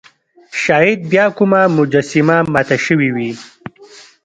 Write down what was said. شاید بیا کومه مجسمه ماته شوې وي.